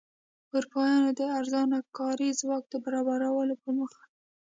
اروپایانو د ارزانه کاري ځواک د برابرولو په موخه.